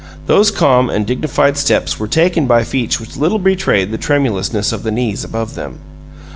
Those calm and dignified steps were taken by feet which little betrayed the tremulousness of the knees above them.